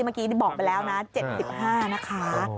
เมื่อกี้บอกไปแล้วนะ๗๕นะคะ